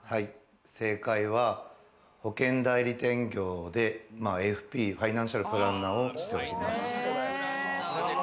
正解は保険代理店業でＦＰファイナンシャルプランナーをしております。